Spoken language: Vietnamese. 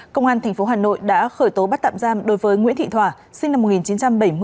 công an tp hà nội đã khởi tố bắt tạm giam đối với nguyễn thị thỏa sinh năm một nghìn chín trăm bảy mươi